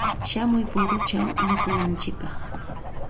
Shamuy puruchaw mikunantsikpaq.